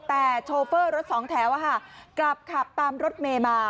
แต่โชเฟอร์รถสองแถวกลับขับตามรถเมย์มา